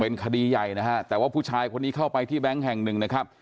เป็นคดีใหญ่นะฮะแต่ว่าผู้ชายคนนี้เข้าไปที่แบงค์แห่งหนึ่งนะครับ